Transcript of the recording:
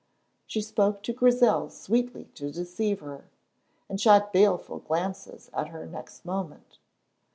She spoke to Grizel sweetly to deceive her, and shot baleful glances at her next moment.